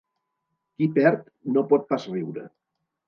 Qui perd no pot pas riure.